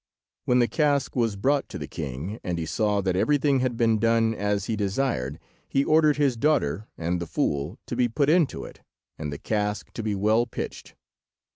When the cask was brought to the king, and he saw that everything had been done as he desired, he ordered his daughter and the fool to be put into it and the cask to be well pitched.